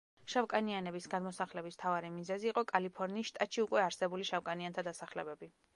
შავკანიანების გადმოსახლების მთავარი მიზეზი იყო კალიფორნიის შტატში უკვე არსებული შავკანიანთა დასახლებები.